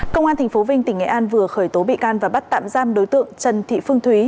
công an tp vinh tỉnh nghệ an vừa khởi tố bị can và bắt tạm giam đối tượng trần thị phương thúy